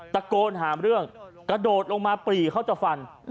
ตะโกนหาเรื่องกระโดดลงมาปรีเขาจะฟัน